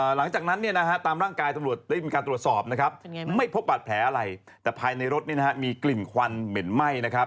หลังจากนั้นนี่ตามร่างกายไม่พบบาดแผลอะไรแต่ภายในรถมีกลิ่นควันเหม็นไหม้